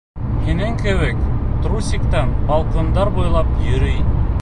Һинең кеүек трусиктан балкондар буйлап йөрөй.